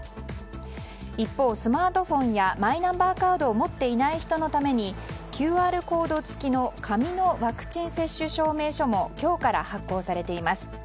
一方、スマートフォンやマイナンバーカードを持っていない人のためにＱＲコード付きの紙のワクチン接種証明書も今日から発行されています。